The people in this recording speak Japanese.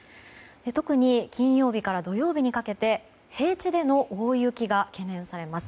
特に金曜日から土曜日にかけて平地での大雪が懸念されます。